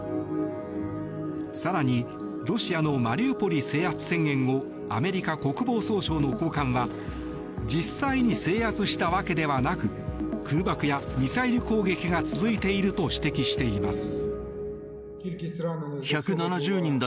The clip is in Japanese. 更にロシアのマリウポリ制圧宣言をアメリカ国防総省の高官は実際に制圧したわけではなく空爆やミサイル攻撃が続いていると指摘しています。